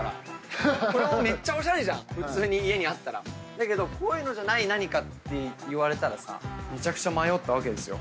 だけどこういうのじゃない何かって言われたらさめちゃくちゃ迷ったわけですよ。